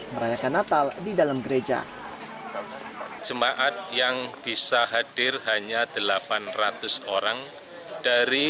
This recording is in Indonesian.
merayakan natal di dalam gereja jemaat yang bisa hadir hanya delapan ratus orang dari